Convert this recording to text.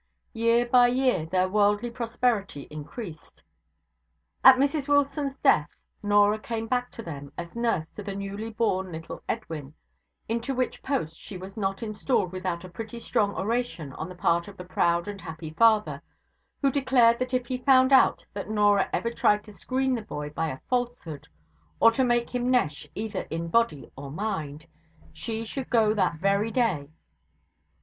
Year by year their worldly prosperity increased. At Mrs Wilson's death, Norah came back to them as nurse to the newly born little Edwin; into which post she was not installed without a pretty strong oration on the part of the proud and happy father, who declared that if he found out that Norah ever tried to screen the boy by a falsehood, or to make him nesh either in body or mind, she should go that very day.